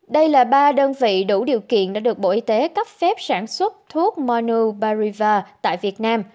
đây là ba đơn vị đủ điều kiện đã được bộ y tế cấp phép sản xuất thuốc mono bariva tại việt nam